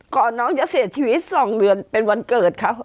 น้องจะเสียชีวิต๒เดือนเป็นวันเกิดเขา